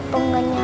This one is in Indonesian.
gak diangkat sayang